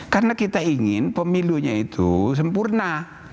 karena kita ingin pemilunya itu sempurna